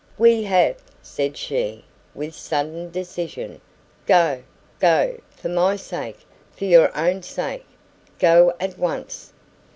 "We have!" said she, with sudden decision. "Go go for my sake for your own sake go at once!"